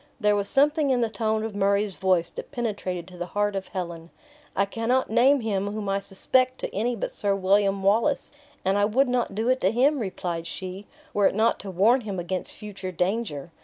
There was something in the tone of Murray's voice that penetrated to the heart of Helen. "I cannot name him whom I suspect to any but Sir William Wallace; and I would not do it to him," replied she, "were it not to warn him against future danger.